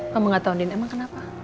kamu gak tau din emang kenapa